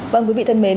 vâng quý vị thân mến